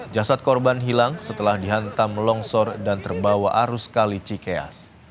jasad korban hilang setelah dihantam longsor dan terbawa arus kali cikeas